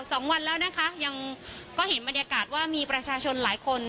สองวันแล้วนะคะยังก็เห็นบรรยากาศว่ามีประชาชนหลายคน